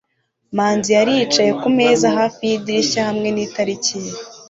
manzi yari yicaye kumeza hafi yidirishya hamwe nitariki ye